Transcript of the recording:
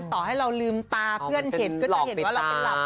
ต่อให้เราลืมตาเพื่อนเห็นก็จะเห็นว่าเราเป็นหลับ